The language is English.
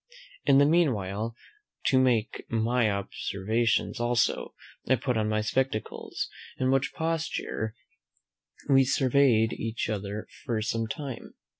In the meanwhile, to make my observations also, I put on my spectacles, in which posture we surveyed each other for some time.